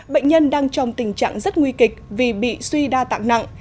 bệnh nhân đang trong tình trạng rất nguy kịch vì bị suy đa tạng nặng